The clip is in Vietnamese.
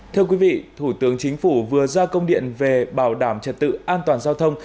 thưa quý vị thủ tướng chính phủ vừa ra công điện về bảo đảm trật tự an toàn giao thông